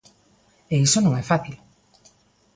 E iso non é fácil.